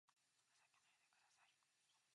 ふざけないでください